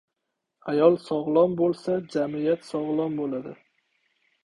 Ayol sog‘lom bo‘lsa, jamiyat sog‘lom bo‘ladi